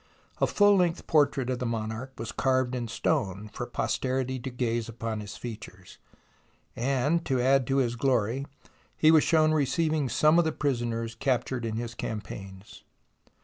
A full length portrait of the monarch was carved in stone for posterity to gaze on his features, and to add to his glory he was shown receiving some of the prisoners captured in his campaigns.